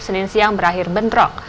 senin siang berakhir bentrok